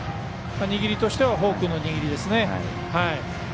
握りとしてはフォークの握りですね。